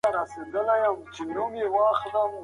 دا يو صدقه جاريه ده.